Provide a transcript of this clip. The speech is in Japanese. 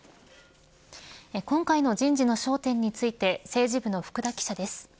今回の人事の焦点について政治部の福田記者です。